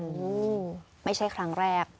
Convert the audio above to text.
โอ้โหไม่ใช่ครั้งแรก